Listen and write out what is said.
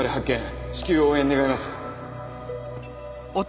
至急応援願います。